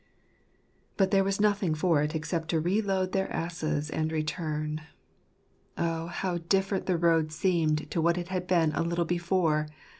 But there was nothing for it except to reload their asses and return. Oh, how different the road seemed to what it had been a little before